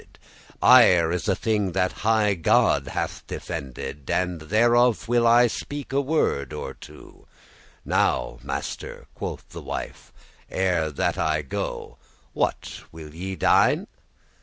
*is the devil's work* Ire is a thing that high God hath defended,* *forbidden And thereof will I speak a word or two." "Now, master," quoth the wife, "ere that I go, What will ye dine?